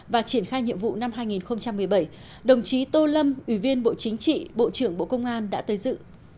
và triển khai nhiệm vụ năm hai nghìn một mươi bảy đồng chí tô lâm ủy viên bộ chính trị bộ trưởng bộ công an đã tới dự